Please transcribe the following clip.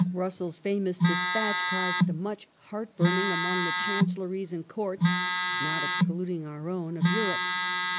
^ Russell's famous despatch caused much heart burning among the Chancelleries and Courts (not excluding our own) of Europe.